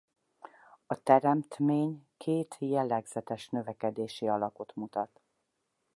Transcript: A teremtmény két jellegzetes növekedési alakot mutat.